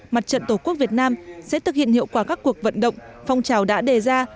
mặt trận tổ quốc việt nam sẽ thực hiện hiệu quả các cuộc vận động phong trào đã đề ra